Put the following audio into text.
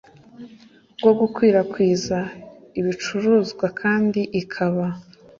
bwo gukwirakwiza ibicuruzwa kandi ikaba